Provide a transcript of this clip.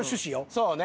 そうね。